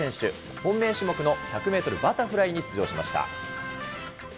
本命種目の１００メートルバタフライに出場しました。